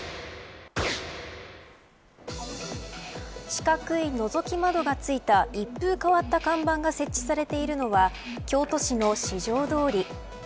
四角いのぞき窓が付いた一風変わった看板が設置されているのは京都市の四条通。